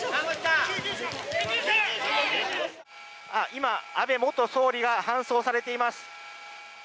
今、安倍元総理が搬送されています。